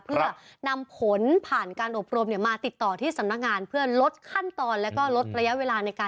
เพื่อนำผลผ่านการอบรมเนี้ยมาติดต่อที่สำนักงาน